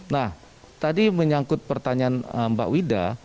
nah tadi menyangkut pertanyaan mbak wida